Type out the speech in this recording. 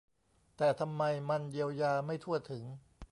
แต่ทำไมมันเยียวยาไม่ทั่วถึง